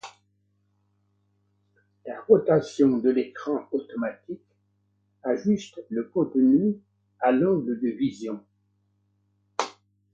La rotation de l'écran automatique ajuste le contenu à l'angle de vision.